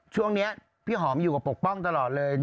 ช่วงนี้พี่หอมอยู่กับปกป้องตลอดเลย